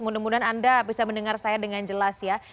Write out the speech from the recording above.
mudah mudahan anda bisa mendengar saya dengan jelas ya